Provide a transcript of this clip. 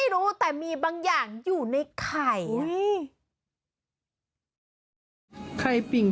อร่อยค่ะไปทำอร่อยไข่ปิง